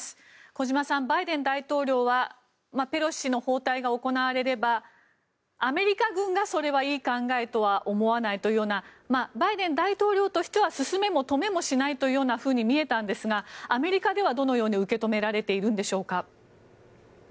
小島さん、バイデン大統領はペロシ氏の訪台が行われればアメリカ軍がそれはいい考えとは思わないというようなバイデン大統領としては勧めも止めもしないというふうに見えたんですがアメリカではどのように受け止められているんでしょうか？